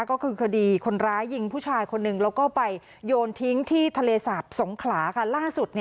ก็คือคดีคนร้ายยิงผู้ชายคนหนึ่งแล้วก็ไปโยนทิ้งที่ทะเลสาบสงขลาค่ะล่าสุด